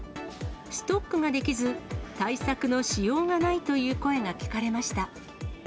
ストックができず、対策のしようがないという声が聞かれました。